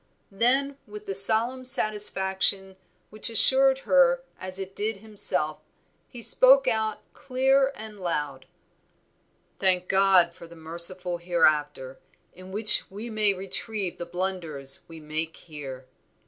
Then with a solemn satisfaction, which assured her as it did himself, he spoke out clear and loud "Thank God for the merciful Hereafter, in which we may retrieve the blunders we make here."